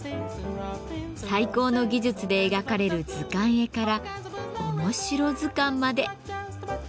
最高の技術で描かれる図鑑絵からおもしろ図鑑まで。